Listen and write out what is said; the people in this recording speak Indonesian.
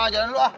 jalan dulu ah